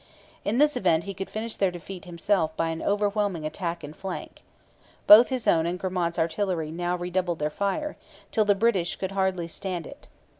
In this event he could finish their defeat himself by an overwhelming attack in flank. Both his own and Gramont's artillery now redoubled their fire, till the British could hardly stand it.